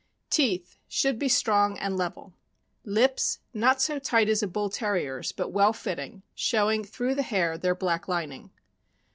Teetli. — Should be strong and level. Lips. — Not so tight as a Bull Terrier's, but well fitting, showing through the hair their black lining.